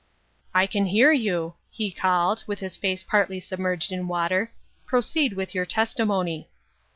"I can hear you, " he called, with his face partly submerged in water ;" proceed with your testi mony."